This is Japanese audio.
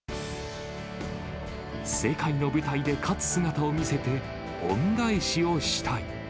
世界の舞台で勝つ姿を見せて、恩返しをしたい。